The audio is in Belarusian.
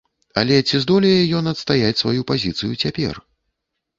Але ці здолее ён адстаяць сваю пазіцыю цяпер?